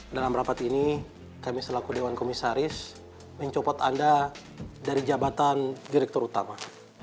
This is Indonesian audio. dalam rapat ini kami selaku dewan komisaris mencopot anda dari jabatan direktur utama